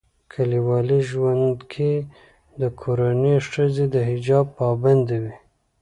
کلیوالي ژوندکي دکورنۍښځي دحجاب پابند وي